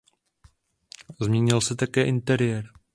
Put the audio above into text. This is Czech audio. Změnil se také interiér.